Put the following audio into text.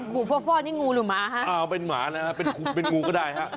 ขู่ฟ่อนี่งูหรือหมาฮะเป็นหมานะฮะเป็นงูก็ได้ฮะ